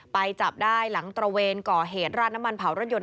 ไปจับได้หลังตระเวนก่อเหตุราดน้ำมันเผารถยนต